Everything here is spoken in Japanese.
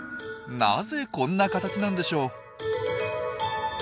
なぜこんな形なんでしょう？